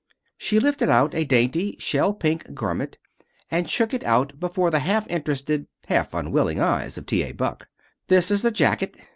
She lifted out a dainty, shell pink garment, and shook it out before the half interested, half unwilling eyes of T. A. Buck. "This is the jacket.